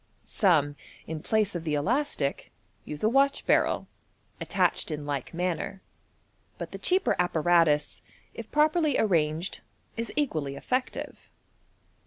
Some, in place of the elastic, use a watch barrel, attached in like manner j but the cheaper apparatus, if properly arranged, is equally effective.